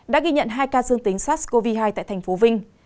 đã ghi nhận hai ca dương tính sars cov hai tại thành phố vinh